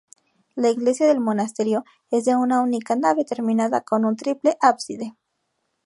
La iglesia del monasterio es de una única nave, terminada con un triple ábside.